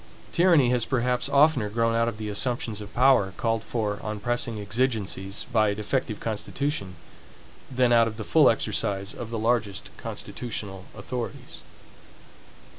Tyranny has perhaps oftener grown out of the assumptions of power, called for, on pressing exigencies, by a defective constitution, than out of the full exercise of the largest constitutional authorities.